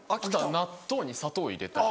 納豆に砂糖入れたり。